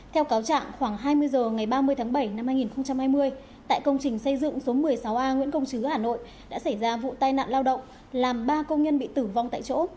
theo cáo trạng khoảng hai mươi h ngày ba mươi tháng bảy năm hai nghìn hai mươi tại công trình xây dựng số một mươi sáu a nguyễn công chứ hà nội đã xảy ra vụ tai nạn lao động làm ba công nhân bị tử vong tại chỗ